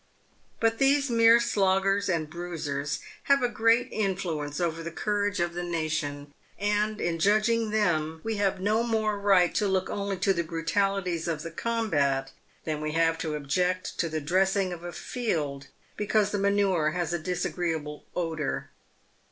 But these mere sloggers and bruisers have a great influence over the courage of the nation, and in judging them, we have no more right to look only to the brutalities of the combat than we have to object to the dressing of a field because the manure has a disagreeable odour.